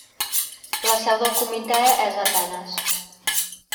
La seu del Comitè és a Atenes.